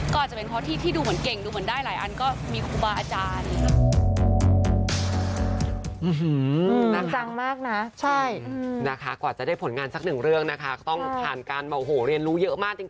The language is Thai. ก็อาจจะเป็นเพราะที่ดูเหมือนเก่งดูเหมือนได้หลายอันก็มีครูบาอาจารย์